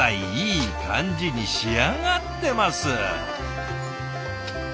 いい感じに仕上がってます！